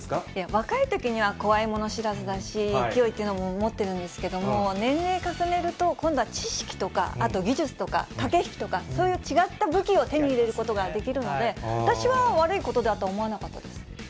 若いときには、怖いもの知らずだし、勢いっていうのも持ってるんですけど、年齢重ねると、今度は知識とか、あと技術とか、駆け引きとか、そういう違った武器を手に入れることができるので、私は悪いことだとは思わなかったです。